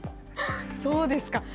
そうですか。